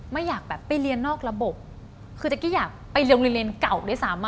ไม่อยากแบบไปเรียนนอกระบบคือเจ๊กกี้อยากไปโรงเรียนเก่าด้วยซ้ำอ่ะ